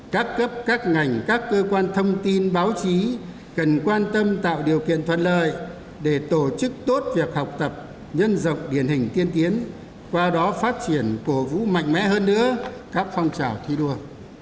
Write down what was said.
các cấp các ngành các cơ quan thông tin báo chí cần quan tâm tạo điều kiện thuận lợi để tổ chức tốt việc học tập nhân rộng điển hình tiên tiến qua đó phát triển cổ vũ mạnh mẽ hơn nữa các phong trào thi đua